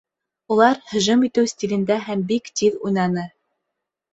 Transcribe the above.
Улар һөжүм итеү стилендә һәм бик тиҙ уйнаны